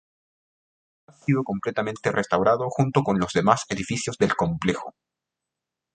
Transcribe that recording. Ha sido completamente restaurado junto con los demás edificios del complejo.